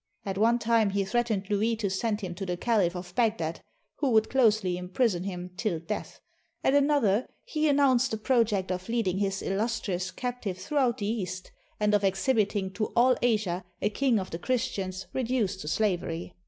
At one time he threatened Louis to send him to the Caliph of Bagdad, who would closely imprison him till death ; at another, he announced the project of leading 626 ST. LOUIS AS A PRISONER his illustrious captive throughout the East, and of ex hibiting to all Asia a king of the Christians reduced to slavery.